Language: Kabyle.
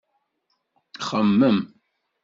Xemmem!